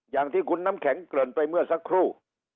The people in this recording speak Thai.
อย่างที่คุณน้ำแข็งเกริ่นไปเมื่อสักครู่